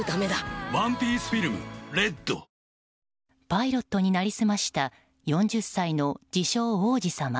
パイロットに成り済ました４０歳の自称王子様